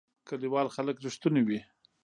کلیوال خلک رښتونی وی